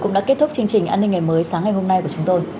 cũng đã kết thúc chương trình an ninh ngày mới sáng ngày hôm nay của chúng tôi